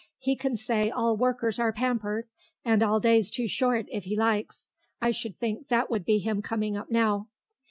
He can say all workers are pampered and all days too short, if he likes. I should think that would be him coming up now."